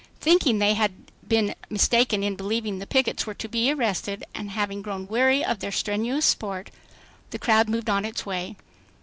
Thinking they had been mistaken in believing the pickets were to be arrested, and having grown weary of their strenuous sport, the crowd moved on its way.